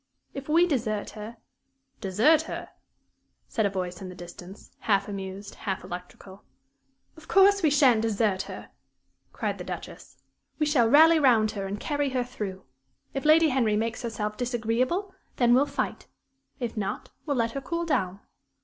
If we desert her " "Desert her!" said a voice in the distance, half amused, half electrical. Bury thought it was Jacob's. "Of course we sha'n't desert her!" cried the Duchess. "We shall rally round her and carry her through. If Lady Henry makes herself disagreeable, then we'll fight. If not, we'll let her cool down.